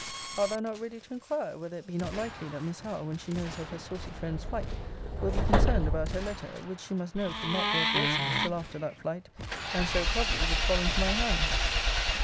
Art thou not ready to inquire, Whether it be not likely that Miss Howe, when she knows of her saucy friend's flight, will be concerned about her letter, which she must know could not be at Wilson's till after that flight, and so, probably, would fall into my hands?